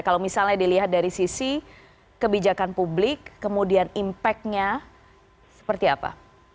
kalau misalnya dilihat dari sisi kebijakan publik kemudian impactnya seperti apa